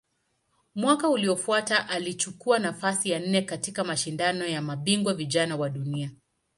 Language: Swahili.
Mwaka uliofuata alichukua nafasi ya nne katika Mashindano ya Mabingwa Vijana wa Dunia.